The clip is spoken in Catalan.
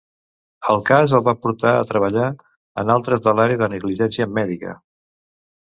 El cas el va portar a treballar en altres de l'àrea de negligència mèdica.